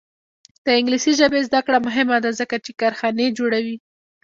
د انګلیسي ژبې زده کړه مهمه ده ځکه چې کارخانې جوړوي.